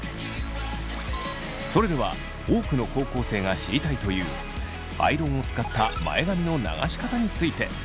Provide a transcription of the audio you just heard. それでは多くの高校生が知りたいというアイロンを使った前髪の流し方について。